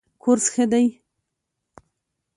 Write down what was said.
کورس ښه دی.